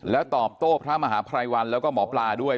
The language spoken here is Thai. แล้วตอบโต้พระมหาภัยวันแล้วก็หมอปลาด้วย